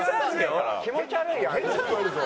気持ち悪いよ